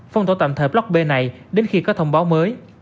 phong tỏa tạm thời block b này đến khi có thông báo mới